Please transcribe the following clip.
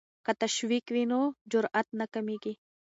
که تشویق وي نو جرات نه کمېږي.